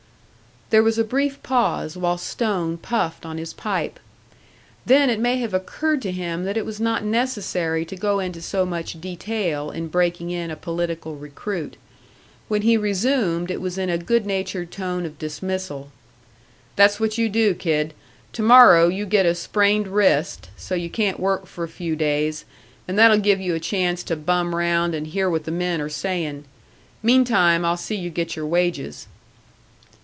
There was a brief pause, while Stone puffed on his pipe. Then it may have occurred to him that it was not necessary to go into so much detail in breaking in a political recruit. When he resumed, it was in a good natured tone of dismissal. "That's what you do, kid. To morrow you get a sprained wrist, so you can't work for a few days, and that'll give you a chance to bum round and hear what the men are saying. Meantime, I'll see you get your wages."